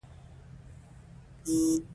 هغوی د سړک پر غاړه د روښانه بام ننداره وکړه.